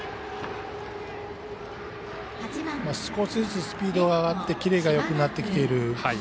少しずつスピードが上がってキレがよくなってきている。